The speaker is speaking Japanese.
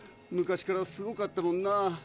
昔からすごかったもんな。